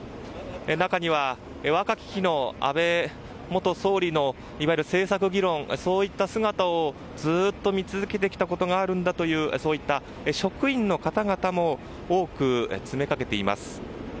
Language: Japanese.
中には、若き日の安倍元総理のいわゆる政策議論そういった姿をずっと見続けてきたことがあるんだというそういった職員の方々も多く詰めかけています。